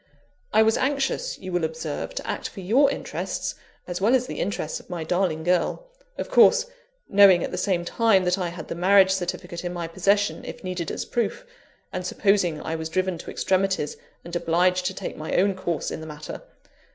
I was anxious, you will observe, to act for your interests, as well as the interests of my darling girl of course, knowing at the same time that I had the marriage certificate in my possession, if needed as a proof, and supposing I was driven to extremities and obliged to take my own course in the matter.